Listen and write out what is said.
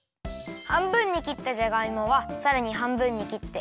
はんぶんにきったじゃがいもはさらにはんぶんにきって。